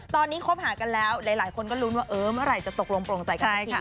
ตอนนี้คบหากันแล้วหลายคนก็ลุ้นว่าเออเมื่อไหร่จะตกลงโปรงใจกันสักที